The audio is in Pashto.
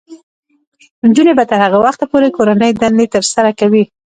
نجونې به تر هغه وخته پورې کورنۍ دندې ترسره کوي.